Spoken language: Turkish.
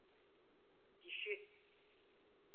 Dişi.